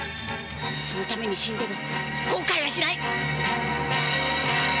そのために死んでも後悔はしない。